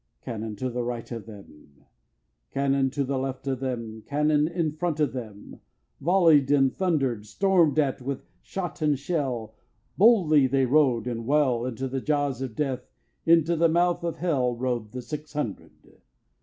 3. Cannon to right of them, Cannon to left of them, Cannon in front of them Volley'd and thunder'd; Storm'd at with shot and shell, Boldly they rode and well, Into the jaws of Death, Into the mouth of Hell Rode the six hundred.